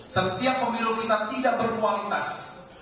setiap pemilu kita tidak berkualitas